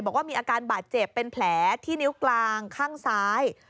บอกว่ามีอาการบาดเจ็บเป็นแผลที่นิ้วกลางข้างซ้าย